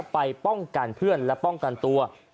ไปป้องกันเพื่อนและป้องกันตัว